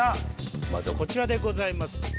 まずはこちらでございます。